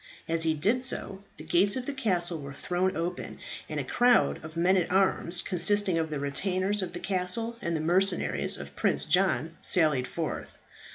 As he did so, the gates of the castle were thrown open, and a crowd of men at arms, consisting of the retainers of the castle and the mercenaries of Prince John, sallied forth.